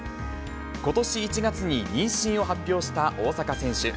ことし１月に妊娠を発表した大坂選手。